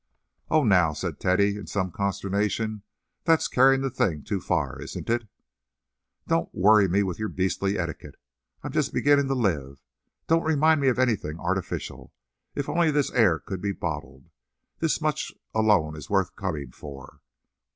"Oh, now," said Teddy, in some consternation, "that's carrying the thing too far, isn't it?" "Don't worry me with your beastly etiquette. I'm just beginning to live. Don't remind me of anything artificial. If only this air could be bottled! This much alone is worth coming for.